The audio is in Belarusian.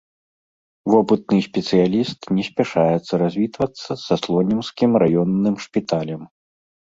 Вопытны спецыяліст не спяшаецца развітвацца са слонімскім раённым шпіталем.